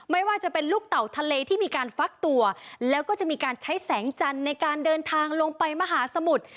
ไม่ว่าจะเป็นลูกเต่าทะเลที่มีการฟักตัวแล้วก็จะมีการใช้แสงจันทร์ในการเดินทางลงไปมหาสมุทร